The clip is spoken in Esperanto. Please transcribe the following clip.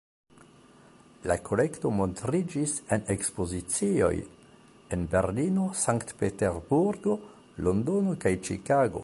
La kolekto montriĝis en ekspozicioj en Berlino, Sankt-Peterburgo, Londono kaj Ĉikago.